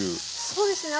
そうですね